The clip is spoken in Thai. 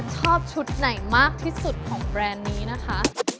ชอบชุดไหนมากที่สุดของแบรนด์นี้นะคะ